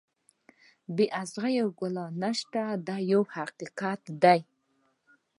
بې اغزیو ګلان نشته دا یو حقیقت دی.